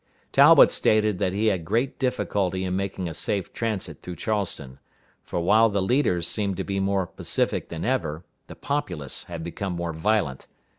Talbot stated that he had great difficulty in making a safe transit through Charleston; for while the leaders seemed to be more pacific than ever, the populace had become more violent.